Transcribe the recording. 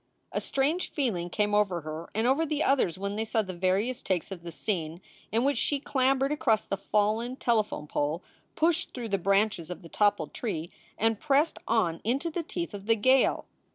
A strange feeling came over her and over the others when they saw the various takes of the scene in which she clam bered across the fallen telephone pole, pushed through the branches of the toppled tree, and pressed on into the teeth of the gale.